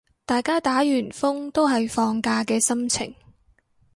大家打完風都係放假嘅心情